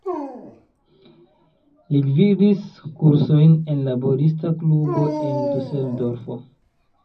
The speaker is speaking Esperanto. Li gvidis kursojn en laborista klubo en Duseldorfo.